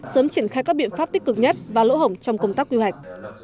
sớm triển khai các biện pháp tích cực nhất và lỗ hổng trong công tác quy hoạch